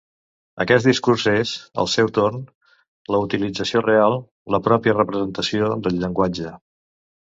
Aquest discurs és, al seu torn, la utilització real, la pròpia representació del llenguatge.